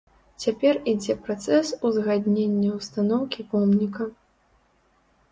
Цяпер ідзе працэс узгаднення устаноўкі помніка.